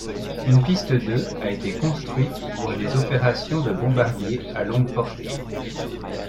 Une piste de a été construite pour les opérations de bombardiers à longue portée.